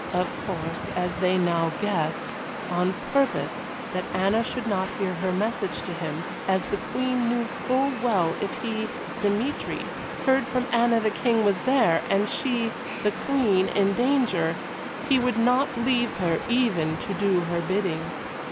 Of course as they now guessed on purpose that Anna should not hear her message to him as the Queen knew full well if he Dmitry heard from Anna the King was there, and she the Queen in danger, he would not leave her, even to do her bidding.